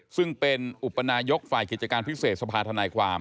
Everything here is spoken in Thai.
ซึ่งเป็นอุปนายกฝ่ายกิจการพิเศษสภาธนายความ